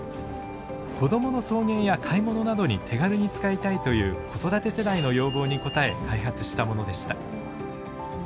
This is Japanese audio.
子どもの送迎や買い物などに手軽に使いたいという子育て世代の要望に応え開発したものでした。